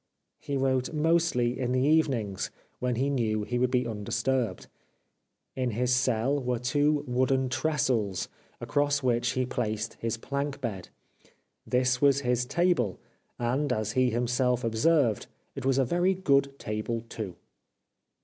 He wrote mostly in the evenings, when he knew he would be undisturbed. In his cell were two wooden trestles, across which he placed his plank bed. This was his table, and, as he him self observed :" It was a very good table, too."